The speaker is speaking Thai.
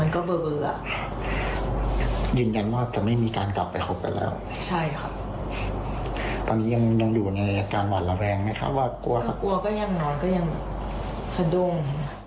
กูแกร่งดูแบรนดีจัง